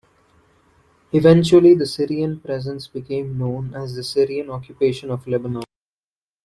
Eventually the Syrian presence became known as the Syrian occupation of Lebanon.